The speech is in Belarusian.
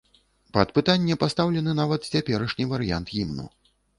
Пад пытанне пастаўлены нават цяперашні варыянт гімну.